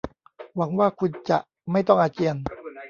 หวังว่าคุณจะไม่ต้องอาเจียน